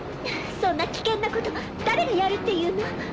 そんな危険なこと誰がやるっていうの？